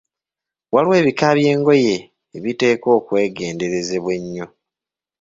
Waliwo ebika by'engoye ebiteekwa okwegenderezebwa ennyo.